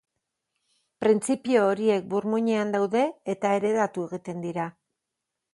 Printzipio horiek burmuinean daude eta heredatu egiten dira.